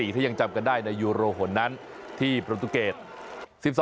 ถ้ายังจำกันได้ในยูโรหนนั้นที่ประตูเกต